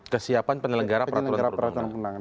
kesiapan penyelenggara peraturan perundang undangan